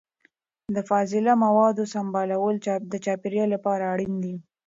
د فاضله موادو سمبالول د چاپیریال لپاره اړین دي.